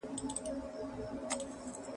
زه اجازه لرم چي کتابتون ته ولاړ سم!